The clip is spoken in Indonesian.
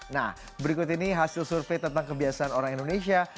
nah berikut ini hasil survei tentang kebiasaan orang indonesia